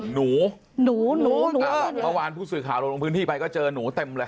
หนูหนูหนูหนูเมื่อวานผู้สื่อข่าวเราลงพื้นที่ไปก็เจอหนูเต็มเลย